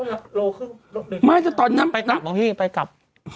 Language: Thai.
เป็นไหมน่ะหละไปกลับบางที่มาจนตอนนั้นน๊ะพี่ไปกลับ